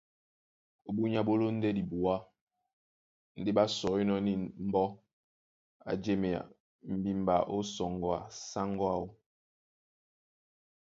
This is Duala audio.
Ó búnyá ɓó lóndɛ́ dibuá ndé ɓá sɔínɔ̄ nîn mbɔ́ á jěmea mbimba ó sɔŋgɔ a sáŋgó áō.